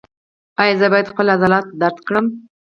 ایا زه باید خپل عضلات درد کړم؟